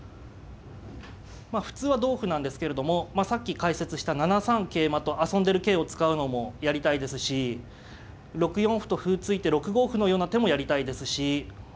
まあ普通は同歩なんですけれどもさっき解説した７三桂馬と遊んでる桂を使うのもやりたいですし６四歩と歩突いて６五歩のような手もやりたいですし。